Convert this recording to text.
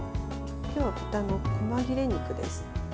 今日は豚のこま切れ肉です。